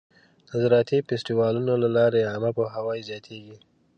د زراعتي فستیوالونو له لارې عامه پوهاوی زیاتېږي.